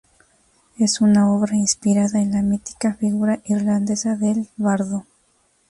Es una obra inspirada en la mítica figura irlandesa del bardo.